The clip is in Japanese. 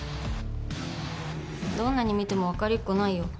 どんなに見ても分かりっこないよ